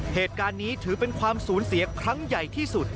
เหตุการณ์นี้ถือเป็นความสูญเสียครั้งใหญ่ที่สุด